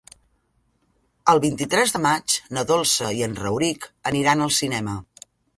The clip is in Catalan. El vint-i-tres de maig na Dolça i en Rauric aniran al cinema.